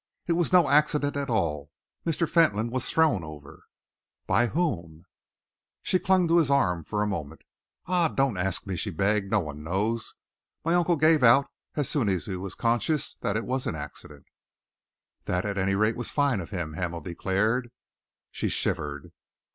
It was no accident at all. Mr. Fentolin was thrown over!" "By whom?" he asked. She clung to his arm for a moment. "Ah, don't ask me!" she begged. "No one knows. My uncle gave out, as soon as he was conscious, that it was an accident." "That, at any rate, was fine of him," Hamel declared. She shivered.